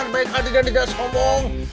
baik hati dan tidak sombong